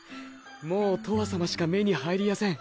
もうとわさましか目に入りやせん。